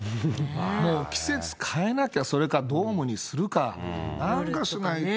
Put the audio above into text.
もう季節変えなきゃ、それかドームにするか、なんかしないと。